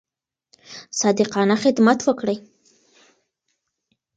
صادقانه خدمت وکړئ.